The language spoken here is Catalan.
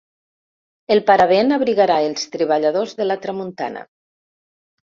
El paravent abrigarà els treballadors de la tramuntana.